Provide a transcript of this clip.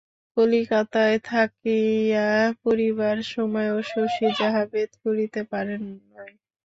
কলিকাতায় থাকিয়া পড়িবার সময়ও শশী যাহা ভেদ করিতে পারে নই।